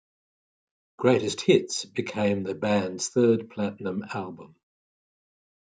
"Greatest Hits" became the band's third platinum album.